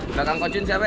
melakang koncun siapa ya